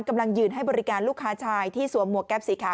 กำลังยืนให้บริการลูกค้าชายที่สวมหวกแก๊ปสีขาว